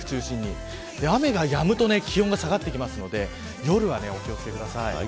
雨がやむと気温が下がってくるので夜はお気を付けください。